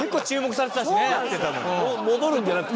戻るんじゃなくて。